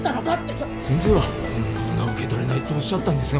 ちょっ先生はこんなものは受け取れないっておっしゃったんですが